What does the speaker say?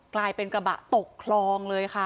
กลายเป็นกระบะตกคลองเลยค่ะ